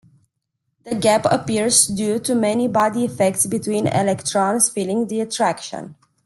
The gap appears due to many-body effects between electrons feeling the attraction.